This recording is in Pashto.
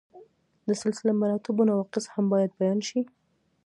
د سلسله مراتبو نواقص هم باید بیان شي.